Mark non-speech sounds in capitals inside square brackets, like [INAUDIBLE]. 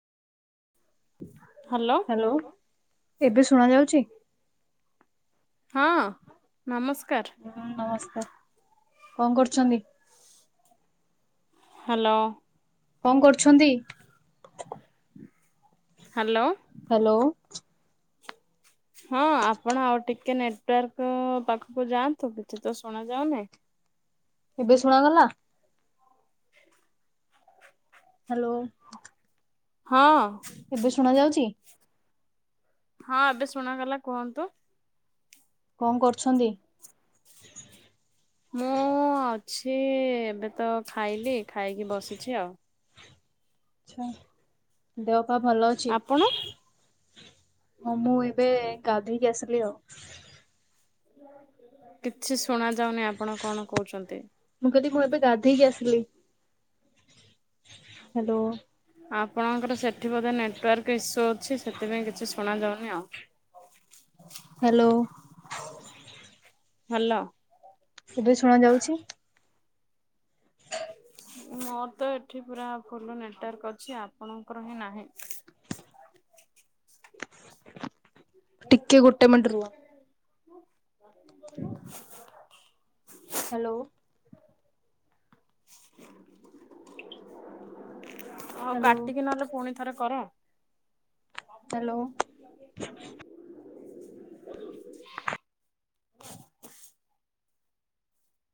Hello. Hello ଏବେ ଶୁଣା ଯାଉଛି। ହଁ ନମସ୍କାର। ଉଁ ନମସ୍କାର କଁ କରୁଛନ୍ତି? ହାଲୋ। କଁ କରୁଛନ୍ତି? ହାଲୋ। ହାଲୋ। ହଁ ଆପଣ ଆଉ ଟିକେ ନେଟୱାର୍କ ପାଖୁକୁ ଯାଆନ୍ତୁ କିଛି ତ ଶୁଣା ଯାଉନି। ଏବେ ଶୁଣାଗଲା। ହ ହାଲୋ। ହଁ। ଏବେ ଶୁଣା ଯାଉଛି। ହଁ ଏବେ ଶୁଣାଗଲା କୁହନ୍ତୁ। କଁ କରୁଛନ୍ତି? ମୁଁ ଅଛି ଏବେ ତ ଖାଇଲି ଖାଇକି ବସିଛି ଆଉ। ଆଚ୍ଛା ଦେହ ପା ଭଲ ଅଛି। ଆପଣ ହଁ ମୁଁ ଏବେ ଗାଧେଇକି ଆସିଲି ଆଉ। କିଛି ଶୁଣା ଯାଉନି, ଆପଣ କଣ କହୁଛନ୍ତି? ମୁଁ କହିଲି, ମୁଁ ଏବେ ଗାଧେଇକି ଆସିଲି। ହ୍ୟାଲୋ। ଆପଣଙ୍କର ସେଠି ବୋଧେ ନେଟୱାର୍କ ଇସ୍ୟୁ ଅଛି, ସେଥିପାଇଁ କିଛି ଶୁଣାଯାଉନି ଆଉ। ହ୍ୟାଲୋ। [INAUDIBLE] ଭଲ। [UNINTELLIGIBLE] ଶୁଣା ଯାଉଛି। ମୋର ତ ଏଠି ପୁରା ଫୁଲ ନେଟୱାର୍କ ଅଛି, ଆପଣଙ୍କର ହିଁ ନାହିଁ। ଟିକେ ଗୋଟେ ମିନିଟ୍ ରୁହ। ହ୍ୟାଲୋ। [INAUDIBLE] ହଉ, ହ୍ୟାଲୋ କାଟିକି ନହେଲେ ପୁଣି ଥରେ କର। ହ୍ୟାଲୋ। [INAUDIBLE] [INAUDIBLE]